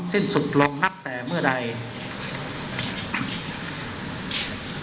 สิ้นสุดลงตามรัฐมนูลมาตร๑๐๑อนุ๖